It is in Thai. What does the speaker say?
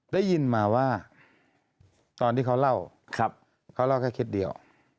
ได้ยินมาว่าตอนที่เขาเล่าเขาเล่าแค่คลิปเดียว